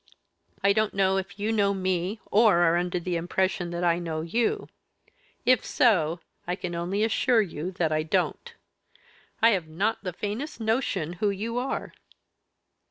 I don't know if you know me or are under the impression that I know you; if so, I can only assure you that I don't. I have not the faintest notion who you are."